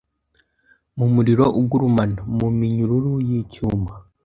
mumuriro ugurumana, muminyururu yicyuma